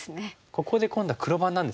ここで今度は黒番なんですね。